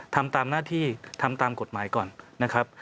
ทำตามหน้าที่ทำตามกฎหมายก่อนนะครับ